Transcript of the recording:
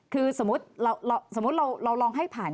คือสมมุติเราลองให้ผ่าน